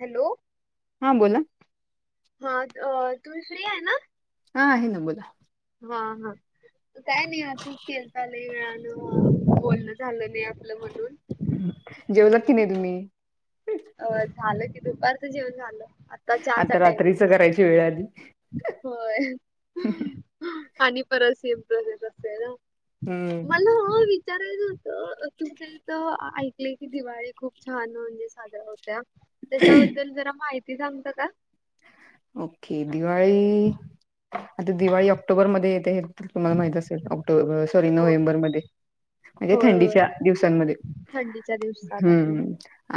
Hello हा बोला. हा अ तुम्ही फ्री आहे ना? हा आहे ना बोला. हा हा काय नाही असंच केलता लय वेळानं बोलन झालं नाही आपलं म्हणून. जेवलात की नाही तुम्ही? अ झालं की दुपारचं जेवन झालं. चहाचा आता टायमिंग ना रात्रीचं करायची वेळ आली. होय, आणि परत सेम प्रोसेस असेल ना. हम्म म्हणून मी विचारायचं होतं, तुमच्या इथं ऐकलंय की दिवाळी खूप छान म्हणजे साजरा होत्या. त्याच्याबद्दल जरा माहिती सांगता का? ओके दिवाळी, आता दिवाळी ऑक्टोबरमध्ये येते. तुम्हांला माहित असेल ऑक्टोबर सॉरी हो नोव्हेंबरमध्ये. म्हणजे होय होय थंडीच्या दिवसांमध्ये, थंडीच्या दिवसात आपलं हम्म.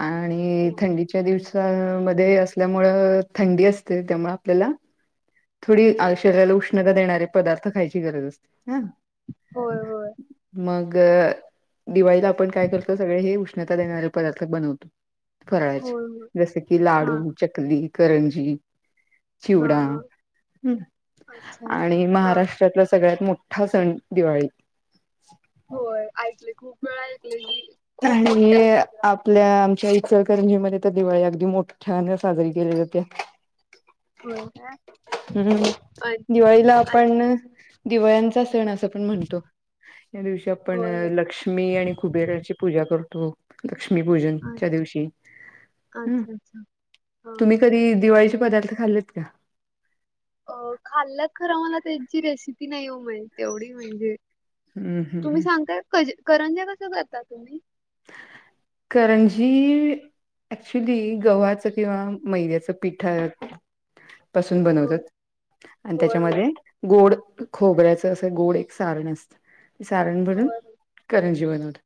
आणि हो थंडीच्या दिवसामध्ये असल्यामुळं थंडी असते त्यामुळे आपल्याला थोडी आ शरीराला उष्णता देणारे पदार्थ खायची गरज असते हा. होय होय. मग, दिवाळीत आपण काय करतो सगळे हे उष्णता देणारे पदार्थ बनवतो. करायचे, होय होय जसं की हा लाडू, चकली, करंजी. हा चिवडा हा. अच्छा आणि हा महाराष्ट्रातला सगळ्यात मोठा सण दिवाळी. होय ऐकलेय खूप वेळ ऐकलेय मी ही. आणि आप आपल्या आमच्या इचलकरंजीमध्ये तर दिवाळी अगदी मोठ्यानं साजरी केली जाते. होय काय हम्म, आणि दिवाळीला आणि- आपण दिवाळ्यांचा सण असं आपणं म्हणतो, या दिवशी होय आपणं होय लक्ष्मी आणि कुबेर पूजा करतो, आ- लक्ष्मीपूजनच्या दिवशी. हम. अच्छा अच्छा हा तुम्ही कधी दिवाळीचे पदार्थ खाल्लेत का? अ खाल्लेत खरं मला त्यांची रेसिपी नाही हो माहिती तेवढी म्हणजे हम्म हम्म तुम्ही हम्म सांगताय क-करंज्या कसं करता तुम्ही? करंजी ऍक्च्युली गव्हाच किंवा मैद्याच पिठा पासून होय बनवतात. आणि होय होय त्याच्यामध्ये, गोड खोबऱ्याच असं गोड एक सारण असतं. सारण भरून होय करंजी बनवतात.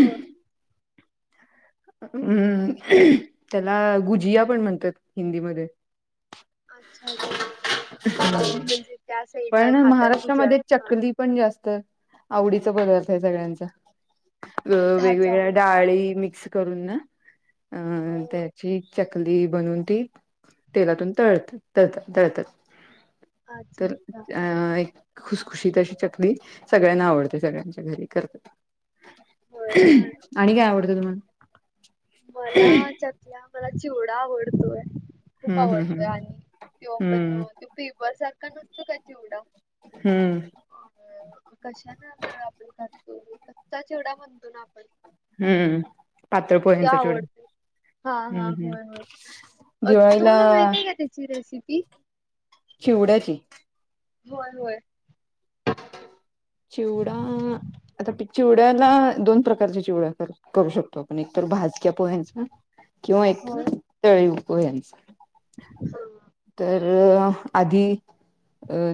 होय हम्म, त्याला गुजिया पण म्हणतात हिंदीमध्ये. अच्छा! अच्छा! म्हणजे त्या साईडला पण खातात महाराष्ट्रामध्ये गुजरात हा. चकली पण जास्त, आवडीचा पदार्थ आहे सगळ्यांचा. अ ढाचा वेगवेगळ्या हा डाळी मिक्स करून ना, अ हो त्याची चकली बनवून ती, तेलातून तळत-तळतात, तळतात. अच्छा तर अच्छा त्या अ एक खुसखुशीत अशी चकली, सगळ्यांना आवडते सगळ्यांच्या घरी करतात. होय काय आणि काय आवडतं तुम्हाला? मला चकल्या, मला चिवडा आवडतोय. खूप हम्म हम्म हम्म. आवडतो आणि, तो आपण हम्म. तो पेपर सारखा नसतो का चिवडा. हम्म. अ कशा ना बरं आपण करतो कच्चा चिवडा म्हणतो ना आपण. हम्म. पातळ त्या पोह्यांचा चिवडा आवडते, हा हा हम्म हम्म होय होय. अ दिवाळीला तुम्हाला माहित आहे का त्याची रेसिपी. चिवड्याची होय होय. चिवडा, आता चिवड्याला दोन प्रकार कारचा चिवड्या करू शकतो आपण एकतर भाजक्या पोह्याचा किंवा एक होय तळी पोड्यांचा. हा, अ आधी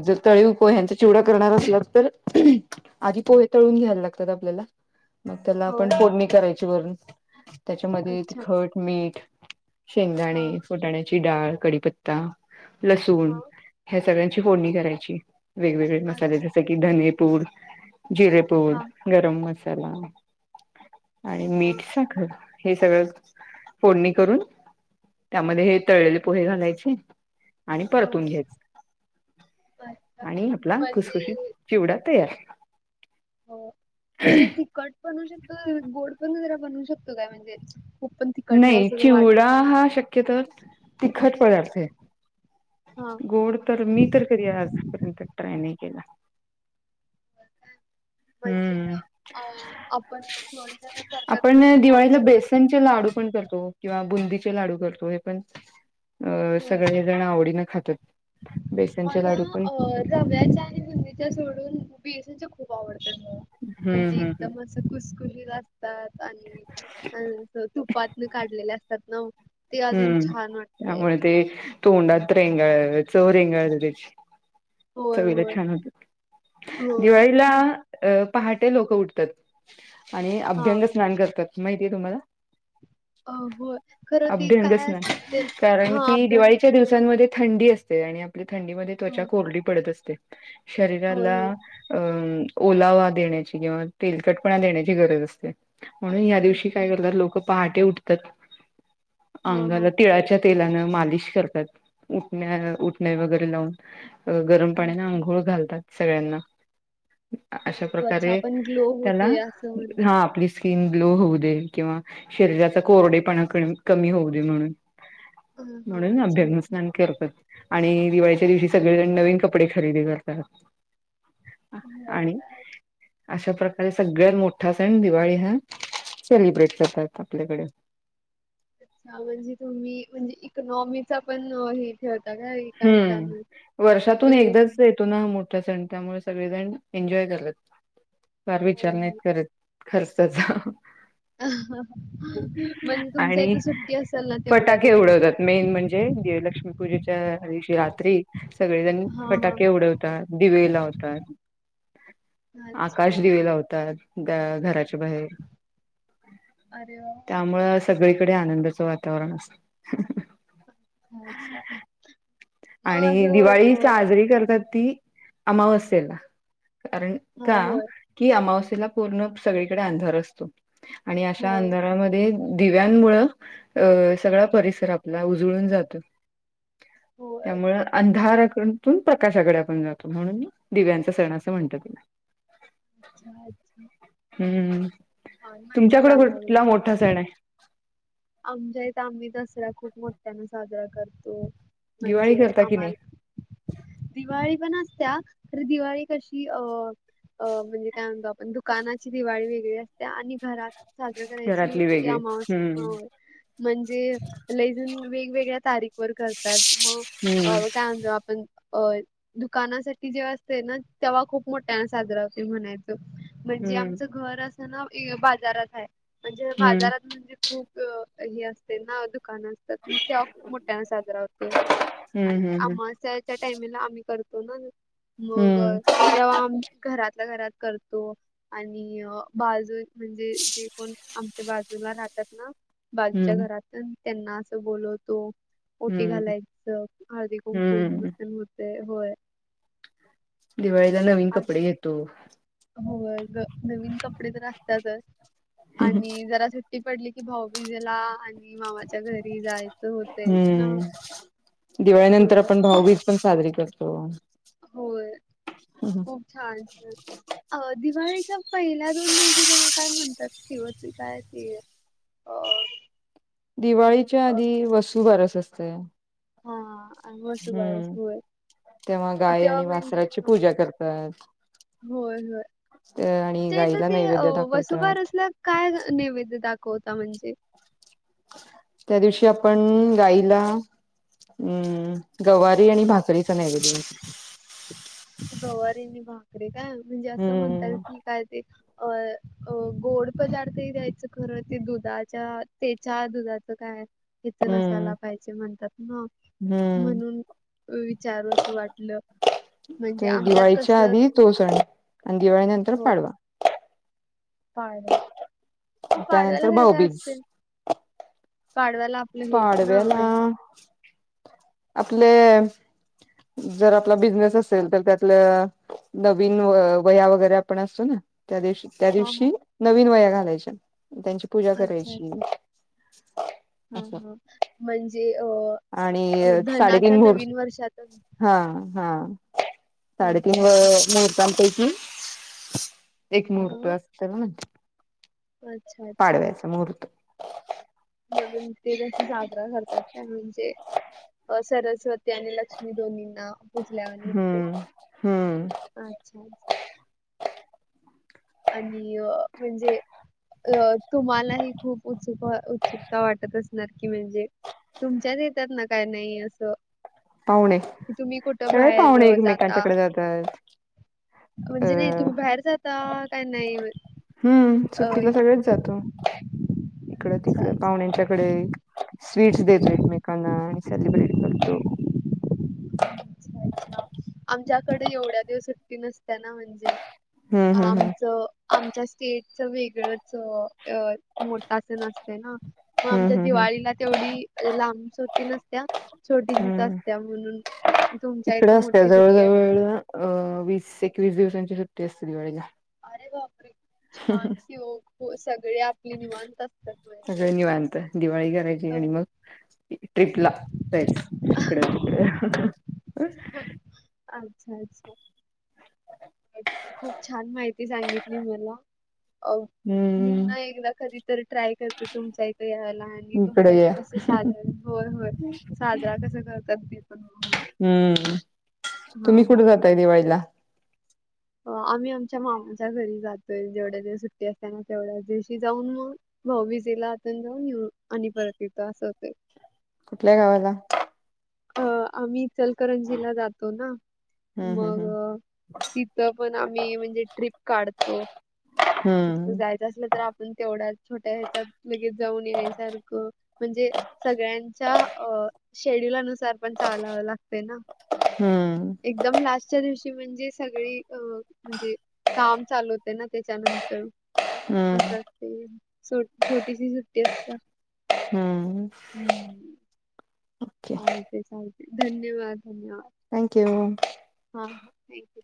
जर कळीवतो ह्यांचा चिवडा करणार अस तर आधी पोहे तळून घ्यायला लागतात आपल्याला. मग त्याला आपण होय पोडणी करायची वरून त्याच्यामध्ये अच्छा तिखट, मीठ. हा शेंगदाणे, फोटाण्याची डाळ, कडीपत्ता, लसूण हा ह्या सगळ्यांची फोडणी करायची वेगवेगळे मसाले अच्छा जस की धनेपूड, जिरे हा पूड, गरम मसाला आणि हा मीठ, साखर हे सगळं फोडणी करून त्यामध्ये हे तळलेले पोहे घालायचे आणि परतून होय. घ्याच अच्छा आणि आपला म्हणजे खुसखुशी चिवडा तयार. हो म्हणजे तीकट बनवू शकतो गोड पण जरा बनवू शकतो काय म्हणजे खूप पण तिखट नाही असं वाट चिवडा हा शक्यतो तिखट पदार्थ आहे. हा. गोड तर मी तर कधी आजपर्यंत ट्राय नाही केला. काय म्हणजे हम्म. अ आपण थोडीजण करतात ना ते गोड चिवड. चे लाडू पण करतो किंवा बुंदीचे लाडू करतो हे पण अ होय सगळे जण आवडीने खातात. बेसनचे मला लाडू पण रव्याच्या आणि सोडून बेसन चे खूप आवडतात म हम्म म्हणजे हम्म एकदम हम्म अस कुसकुलीला असतात आणि तुपात न काढलेले असतात ना. ते अजून हम्म छान वाटतय त्यामुळे ते तोंडात रेंगळ चव रेंगळ त्याची होय चवीला होय छान होतात होय दिवाळीला खूप अ पहाटे लोक उठतात आणि हा अभ्यंग स्नान करतात माहितीय तुम्हाला! अ हो. अभ्यंग स्नान कारण हा की अभ्यंग दिवाळीच्या दिवसांमध्ये थंडी असते आणि आपल्या थंडीमध्ये त्वचा हो कोरडी पडत असते होय शरीराला होय अं ओलावा देण्याची किंवा तेलकटपणा देण्याची गरज असते. म्हणून या दिवशी अच्छा काय करतात लोक पहाटे उठतात. हा हा अंगाला तिळाच्या तेलान मालिश करतात उठण्या उठणे वगैरे लावून. गरम पाण्याने अच्छा आंघोळ घालतात सगळ्यांना. अशा म्हणजे त्वचा प्रकारे पण ग्लो होऊ त्याला दे असं म्हण हा आपली स्किन ग्लो होऊ दे किंवा शरीराचा कोरडेपणा कमी होऊ दे म्हणून. ह हा म्हणून अच्छा अभ्यंग अच्छा स्नान करतोय. आणि दिवाळीच्या दिवशी सगळेजण नवीन कपडे खरेदी करतात. होय आणि काय? अशा प्रकारे सगळ्यात मोठा सण दिवाळी हा सेलिब्रेट करतात आपल्याकडे. छा म्हणजे तुम्ही म्हणजे इकनॉमीचा पण हे ठेवता काय? चालू हम्म वर्षातून एकदाच य हा मोठा सण त्यामुळे सगळेजण एन्जॉय करत फार विचार नाही करत. खर्चाचं. म्हणजे तुमच्या आणि इथे सुट्टी असेल ना तेवढ्या फटाके दिवस काय उडवतात मेन म्हणजे लक्ष्मी पूजेच्या दिवशी रात्री सगळेजण हा फटाके उडवतात दिवे लावतात. हा आकाश अच्छा दिवे लावतात. ग घराच्या बाहेर अरे वा वा. त्यामुळें अस सगळीकडे आनंदाचं वातावरण असत अच्छा! मग आणि असं दिवाळी अ साजरी करतात ती अमावस्येला कारण हा का होय की अमावस्यला पूर्ण सगळीकडे अंधार असतो. आणि अशा होय अंधारामध्ये दिव्यांमुळं अ सगळा परिसर आपला उजळून जातो. होय त्यामुळं अंधाराकडून प्रकाशाकडे आपण जातो म्हणून दिव्यांचा सण असं म्हणतात. अच्छा अच्छा! हम्म, हा माहिती तुमच्याकडे सांगायला लागलाय कुठंला मोठा तुम्ही सण आहे? आमच्या इथं आम्ही दसरा खूप मोठ्याना साजरा करतो दिवाळी म्हणजे करता की नाही आम्हाला दिवाळी पण असत्या तरी दिवाळी कशी अ अ म्हणजे काय म्हणतो आपण दुकानाची दिवाळी वेगळी असते आणि घरात साजरा करायची घरातली ती वेगळी? अमावास्या हम्म हो! म्हणजे लई जण वेगवेगळ्या तारीख वर करतात मग हम्म अ काय म्हणतो आपण अ दुकानासाठी जेव्हा असते ना तेव्हा खूप मोठ्या साजरा होते म्हणायचं म्हणजे हम्म आमचं घर असं ना बाजारात आहे म्हणजे हम्म हम्म बाजारात म्हणजे खूप अ हे असते ना दुकानं असतात ते ह खूप मोठ्याना साजरा होतोय हम्म आणि हम्म. अमास्याच्या टाईमला आम्ही करतो ना. मग हम्म तेव्हा घरातल्या घरात करतो आणि बाजू म्हणजे जे कोण आमच्या बाजूला राहतात ना बाजूच्या हम्म घरात त्यांना असं बोलवतो, ओटी हम्म घालायचं, हळदीकुंकू हम्म [inaudible] ते होय! दिवाळीला नवीन आ- कपडे घेतो. होय नवीन कपडे तर असतातच आणि जरा सुट्टी पडली की भाऊबीजेला आणि मामाच्या घरी जायचं होते ना. हम्म दिवाळीनंतर होय आपण भाऊबीज पण साजरी करतो. होय खूप छानस. अ दिवाळीच्या पहिल्या दोन दिवशी त्यांना काय म्हणतात की हो ती काय ती? अ दिवाळीच्या अ आधी वसुबारस असतंय. हा आणि वसुबासर होय. तेव्हा गाई तेव्हा आणि म्हणजे वासराची ह पूजा करतात. होय होय आणि त्याच गाईला ते नैवेद्य दाखवतात. वसुबारसला काय नैवेद्य दाखवता म्हणजे? त्या दिवशी आपण गाईला अम्म गवारी आणि भाकरीच नैवेद्य असतं. गवारी आणि भाकरी काय म्हणजे असं म्हणतात हम्म की काय ते अ अ गोड पदार्थही द्यायचं खरं ते दुधाच्या त्याच्या ते चहा दुधाचं काय? [inaudible] नसायला हम्म पाहिजे म्हणतात ना हम्म म्हणून विचारू असं वाटलं. म्हणजे ते आमच्यात दिवाळीच्या कसं आधी तो सण आणि दिवाळी नंतर हो पाडवा. पाडवा, मग पाडव्याला त्यानंतर काय काय भाऊबीज असते? पाडव्याला नाहीच ना पाडव्याला [inaudible] आपले, जर आपला बिझनेस असेल तर त्यातलं नवीन वह्या वगैरे आपण असतो ना त्या दिवशी त्या हा हा. दिवशी नवीन वया घालायच्या त्यांची पूजा अच्छा करायची हा, असं हा म्हणजे आणि अ धनाच साडेतीन मुहूर्त नवीन वर्षात हा, हा साडेतीन अच्छा व अच्छा. मुहर्तांपैकी एक मुहूर्त हा. असत ना म्हण अच्छा अच्छा पाडव्याचा मुहूर्त म्हणून ते जस साजरा करतात ते म्हणजे सरस्वती आणि लक्ष्मी दोन्हींना पूजल्यावानी होतय हम्म हम्म अच्छा आणि अ म्हणजे अ तुम्हालाही खूप उत्सुक उत्सुकता वाटत असणार की म्हणजे तुमच्याच येत्यात ना काय नाही असं पाहुणे की तुम्ही कुठं सगळे बाहेर पाहुणे अ, जाता एकमेकांच्याकडे जातात अ म्हणजे नाही तुम्ही बाहेर जाता काय नाही हो हम्म सुट्टीला सगळेच जातो इकडं, तिकडं अच्छा. पाहुण्यांच्याकडे स्वीट्स देतो एकमेकांना आणि सेलिब्रेट करतो अच्छ, अच्छा आमच्याकडे एवढ्या दिवस सुट्टी नसत्याना म्हणजे म्हणजे हम्म हम्म हम्म आमचं आमच्या स्टेटच वेगळंच मोठं असं नसतं ना मग आमच्या हम्म हम्म हम्म. दिवाळीला तेवढी लांब सुट्टी नसत्या छोटीशीच हम्म असत्या म्हणून तुमच्या इकड इथं असते मोठी जवळ, सुट्टी असते जवळ अ वीस, एकवीस दिवसांची सुट्टी असते दिवाळीला अरे बापरे छान की ओ सगळे आपली निवांत असतात म्हणजे सगळे निवांत दिवाळी घर अ, आणि मग ट्रीपला जायच इकड, तिकड अच्छा, अच्छा खूप छान माहिती सांगितली मला अ मी हम्म ना एकदा कधी तर ट्राय करते तुमच्या इथं यायला तुमच्या इकडे इथे या कस साजर होय, होय साजरा कस करतात ते पण बघूया हम्म हा तुम्ही हा. कुठे जाताय दिवाळीला आम्ही आमच्या मामांच्या घरी जातोय जेवढ्या दिवस सुट्टी असल तेवढ्या दिवशी जाऊन मग भाऊबिजेला आता जाऊन येऊ आणि परत येतो असं होतय कुठल्या गावाला अ आम्ही इचलकरंजीला जातो ना हम्म मग हम्म तिथं पण आम्ही म्हणजे ट्रीप काढतो कुठंतरी हम्म जायचं असलं तर आपण तेवढ्या छोट्या ह्याच्यात लगेच जाऊन यायसारखं म्हणजे सगळ्यांच्या अ शेड्युलानुसार पण चालाव लागतय ना हम्म एक एकदम लास्टच्या दिवशी म्हणजे सगळी अ म्हणजे काम चालू होतय ना त्याच्यानंत तर हम्म अस असतय छोटीशी सुट्टी असत्या हम्म ओके चायतय, चालतय धन्यवाद थँक्यू हा, हा थँक्यू